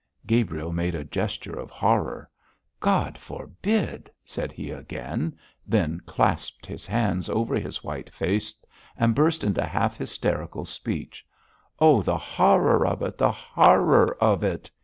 Gabriel made a gesture of horror. 'God forbid!' said he again, then clasped his hands over his white face and burst into half hysterical speech. 'Oh, the horror of it, the horror of it!'